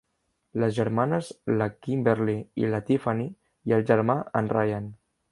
Les germanes, la Kimberly i la Tiffany, i el germà, en Ryan.